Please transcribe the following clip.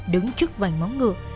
đứng trước vành móng ngược